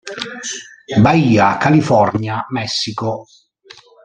Baja California, Messico.